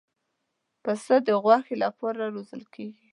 پسه د غوښې لپاره روزل کېږي.